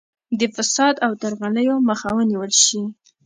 د فساد او درغلیو مخه ونیول شي.